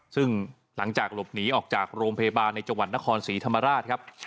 ซึ่งหลังจากหลบหนีออกจากโรงพยาบาลในจังหวัดนครศรีธรรมราชครับ